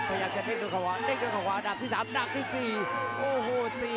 พยายามจะเน็กตัวขวาเน็กตัวขวาดับที่สามดับที่สี่